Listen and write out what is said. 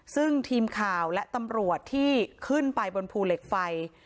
ซึ่งทีมข่าวและตำรวจที่ขึ้นไปบนภูเหล็กไฟ